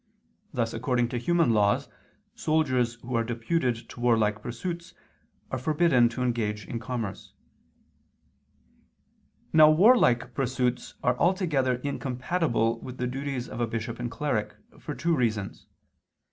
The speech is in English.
Thus according to human laws, soldiers who are deputed to warlike pursuits are forbidden to engage in commerce [*Cod. xii, 35, De Re Milit.]. Now warlike pursuits are altogether incompatible with the duties of a bishop and a cleric, for two reasons.